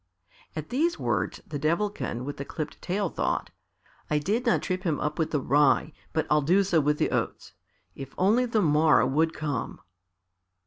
At these words the Devilkin with the clipped tail thought, "I did not trip him up with the rye, but I'll do so with the oats. If only the morrow would come!"